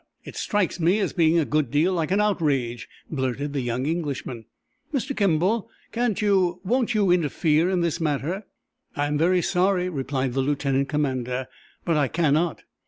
"It strikes me as being a good deal like an outrage," blurted the young Englishman. "Mr. Kimball, can't you won't you interfere in this matter?" "I am very sorry," replied the lieutenant commander, "but I cannot.